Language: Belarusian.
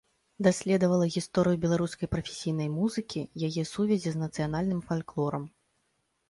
Даследавала гісторыю беларускай прафесійнай музыкі, яе сувязі з нацыянальным фальклорам.